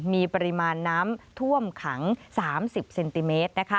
มีปริมาณน้ำท่วมขัง๓๐เซนติเมตร